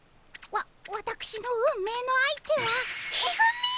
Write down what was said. わわたくしの運命の相手は一二三！？